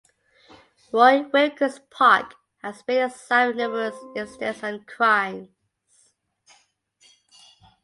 Roy Wilkins Park has been the site of numerous incidents and crimes.